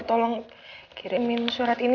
tolong kirimin surat ini